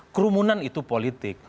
kerumunan itu politik